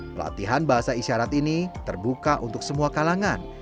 pelatihan bahasa isyarat ini terbuka untuk semua kalangan